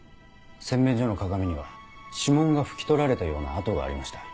洗面所の鏡には指紋が拭き取られたような跡がありました。